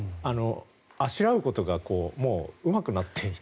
あしらうことがうまくなっていて。